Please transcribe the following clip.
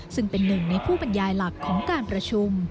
ซึ่งเป็นหนึ่งในผู้บรรยายหลักของการประชุม